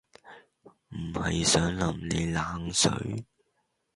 唔係想淋你冷水